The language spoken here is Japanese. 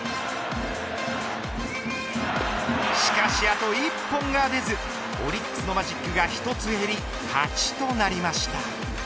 しかし、あと１本が出ずオリックスのマジックが１つ減り８となりました。